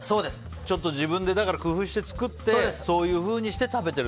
自分で工夫して作ってそういうふうにして食べてると。